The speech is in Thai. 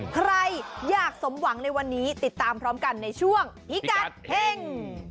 ใครอยากสมหวังในวันนี้ติดตามพร้อมกันในช่วงพิกัดเฮ่ง